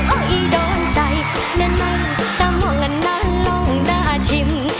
โอ้ยดอนใจน้อยแต่มองน่าลองน่าชิม